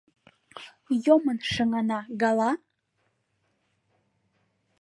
Йомын шыҥана гала?